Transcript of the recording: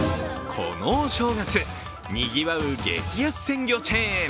このお正月、にぎわう激安鮮魚チェーン。